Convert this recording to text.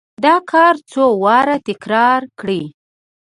دا کار څو واره تکرار کړئ.